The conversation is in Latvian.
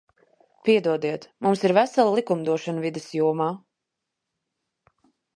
Piedodiet, mums ir vesela likumdošana vides jomā.